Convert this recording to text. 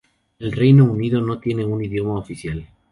El Reino Unido no tiene un idioma oficial.